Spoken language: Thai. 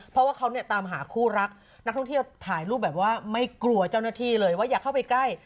เพราะว่าเขาเนี่ยตามหาคู่รักนักท่องเที่ยวถ่ายรูปแบบว่าไม่กลัวเจ้าหน้าที่เลยว่าอย่าเข้าไปใกล้